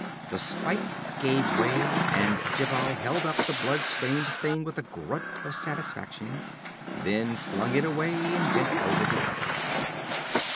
The spike gave way, and Djebal held up the blood stained thing with a grunt of satisfaction, then flung it away and bent over the other.